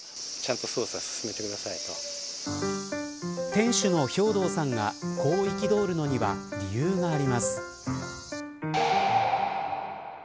店主の兵頭さんがこう憤るのには理由があります。